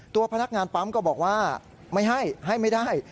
ตัวพนักงานปั๊มก็บอกว่าไม่ให้ให้ไม่ได้